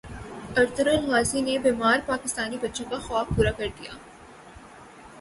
Ertugrul Ghazi نے بیمار پاکستانی بچوں کا خواب پورا کردیا